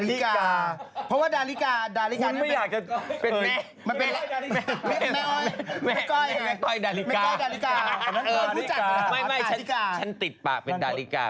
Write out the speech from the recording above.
อี้คือไหมดาวิกานี่คือไหมดาลิกา